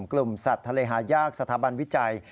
กลุ่มสัตว์ทะเลหายากสถาบันวิจัย